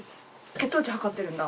血糖値測っているんだ？